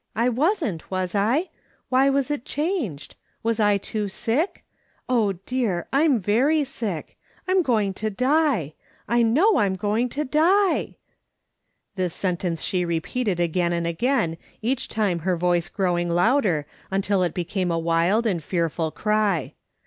I wasn't, was I ? Why was it changed ? Was I too sick ? Oh, dear, I'm very sick ! I'm going to die ! I know I'm going to die !" This sentence she repeated again and again, each time her voice growing louder, until it became a wild and fearful cry.